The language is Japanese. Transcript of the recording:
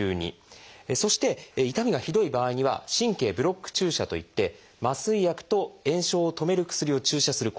そして痛みがひどい場合には「神経ブロック注射」といって麻酔薬と炎症を止める薬を注射する。